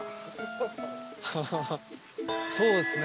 そうですね。